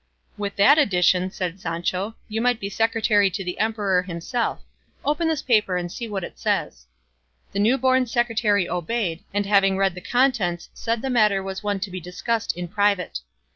"With that addition," said Sancho, "you might be secretary to the emperor himself; open this paper and see what it says." The new born secretary obeyed, and having read the contents said the matter was one to be discussed in private.